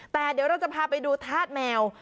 แต่เดี๋ยวเราจะพาไปดูธาตุแมว